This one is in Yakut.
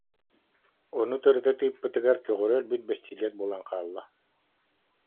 Ону тырыта тыыппытыгар көҕөрө өлбүт бэстилиэт буолан хаалла